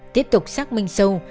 tiếp tục xác minh sâu